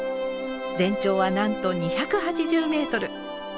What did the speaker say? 全長はなんと２８０メートル。